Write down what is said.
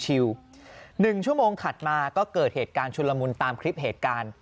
๑ชั่วโมงถัดมาก็เกิดเหตุการณ์ชุนละมุนตามคลิปเหตุการณ์